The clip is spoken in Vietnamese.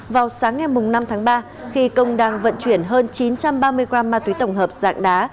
vào sáng ngày năm tháng ba khi công đang vận chuyển hơn chín trăm ba mươi g ma túy tổng hợp dạng đá